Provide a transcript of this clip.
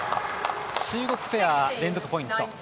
中国ペア、連続ポイント。